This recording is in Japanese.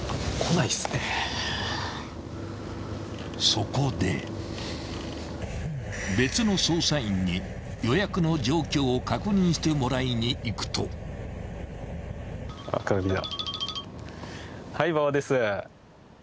［そこで別の捜査員に予約の状況を確認してもらいに行くと］かかってきた。